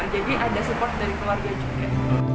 jadi ada support dari keluarga juga